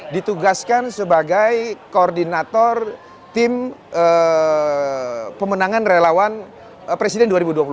ditugaskan sebagai koordinator tim pemenangan relawan presiden dua ribu dua puluh